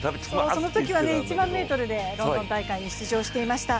そのときは１００００ｍでロンドン大会に出場していました。